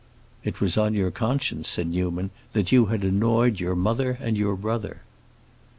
"It was on your conscience," said Newman, "that you had annoyed your mother and your brother."